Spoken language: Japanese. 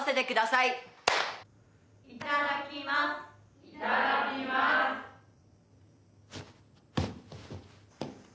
いただきます！